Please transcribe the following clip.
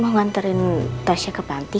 mau nganterin tasnya ke panti